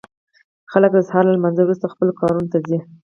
خلک د سهار له لمانځه وروسته خپلو کارونو ته ځي.